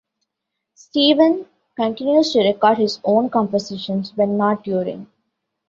Steven continues to record his own compositions when not touring.